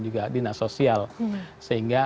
juga dinas sosial sehingga